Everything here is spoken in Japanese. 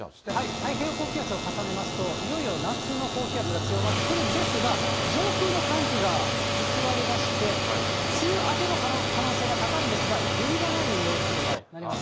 太平洋高気圧を重ねますと、いよいよ夏の高気圧が強まってくるんですが、上空の寒気が居座りまして、梅雨明けの可能性が高いんですが、ゲリラ雷雨要注意となります。